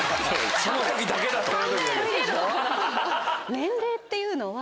年齢っていうのは。